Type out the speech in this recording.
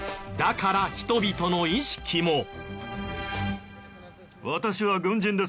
だから人々の意識も。